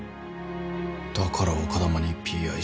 だから丘珠にＰＩＣＵを。